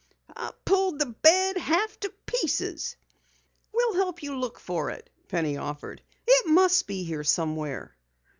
"I pulled the bed half to pieces." "We'll help you look for it," Penny offered. "It must be here somewhere."